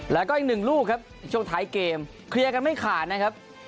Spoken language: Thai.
แล้วก็อีกหนึ่งลูกครับช่วงท้ายเกมเคลียร์กันไม่ขาดนะครับ